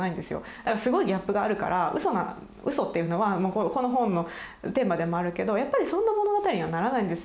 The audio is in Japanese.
だからすごいギャップがあるから嘘な「嘘」っていうのはもうこの本のテーマでもあるけどやっぱりそんな物語にはならないんですよ